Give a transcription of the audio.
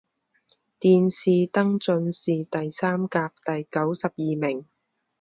殿试登进士第三甲第九十二名。